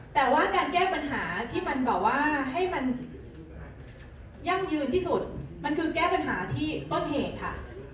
แต่ว่าการแก้ปัญหาที่มันแบบว่าให้มันยั่งยืนที่สุดมันคือแก้ปัญหาที่ต้นเหตุค่ะ